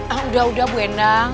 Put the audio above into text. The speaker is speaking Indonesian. ah udah udah bu endang